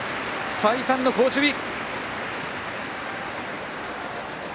再三の好守備。